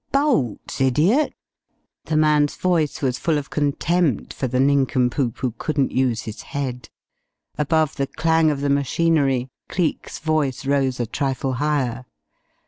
"Boats, idiot!" The man's voice was full of contempt for the nincompoop who couldn't use his head. Above the clang of the machinery Cleek's voice rose a trifle higher.